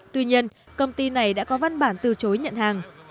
tuy nhiên công ty này đã có văn bản từ chối nhận hàng